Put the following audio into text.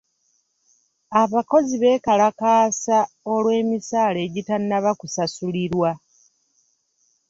Abakozi bekalakaasa olw'emisaala egitannaba kusasulirwa.